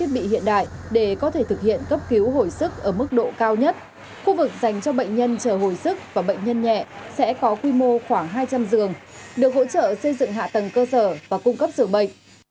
bệnh viện giã chiến cho bệnh nhân chờ hồi sức và bệnh nhân nhẹ sẽ có quy mô khoảng hai trăm linh dường được hỗ trợ xây dựng hạ tầng cơ sở và cung cấp sửa bệnh